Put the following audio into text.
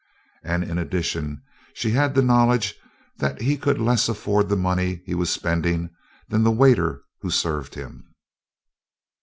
And in addition, she had the knowledge that he could less afford the money he was spending than the waiter who served him.